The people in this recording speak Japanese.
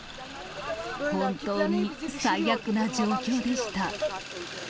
本当に最悪な状況でした。